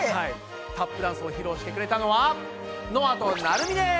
タップダンスを披露してくれたのはのあとなるみです！